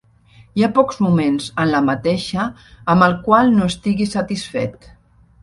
Hi ha pocs moments en la mateixa amb el qual no estigui satisfet.